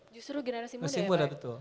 justru generasi muda ya